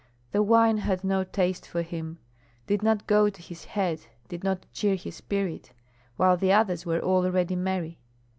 The wine had no taste for him, did not go to his head, did not cheer his spirit, while the others were already merry.